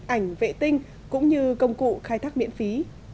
ảnh vệ tinh cũng như công cụ khai thác miễn phí